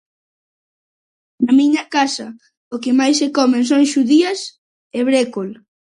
Na miña casa o que máis se come son xudías e brécol.